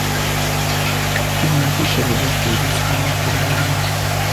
Tiene un pico robusto gris y una cola larga.